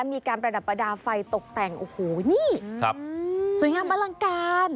มีการประดับประดาษไฟตกแต่งโอ้โหนี่สวยงามอลังการ